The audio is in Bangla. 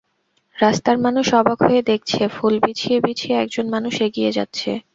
রাস্তার মানুষ অবাক হয়ে দেখছে ফুল বিছিয়ে বিছিয়ে একজন মানুষ এগিয়ে যাচ্ছে।